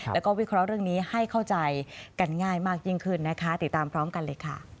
แล้วก็วิเคราะห์เรื่องนี้ให้เข้าใจกันง่ายมากยิ่งขึ้นนะคะติดตามพร้อมกันเลยค่ะ